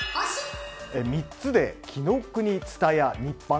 ３つで紀伊國蔦屋日販？